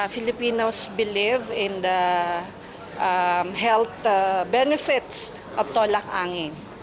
filipinos percaya pada keuntungan kesehatan tolak angin